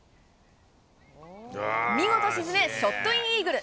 見事沈め、ショットインイーグル。